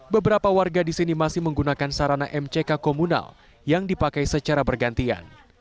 beberapa warga di sini masih menggunakan sarana mck komunal yang dipakai secara bergantian